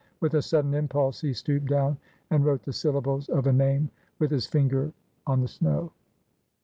With a sudden impulse he stooped down and wrote the syllables of a name with his finger on the snow.